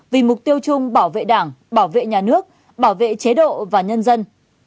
vì mục tiêu chung bảo vệ đảng bảo vệ nhà nước bảo vệ chế độ và nhân dân